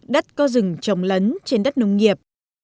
đất có rừng trồng lấn trên đất nông nghiệp